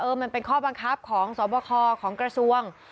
มันเป็นข้อบังคับของสวบคของกระทรวง